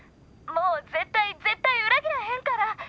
もう絶対絶対裏切らへんから！